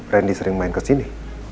randy sering main kesini